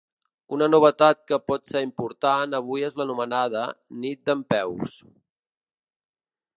Una novetat que pot ser important avui és l’anomenada ‘Nit dempeus’.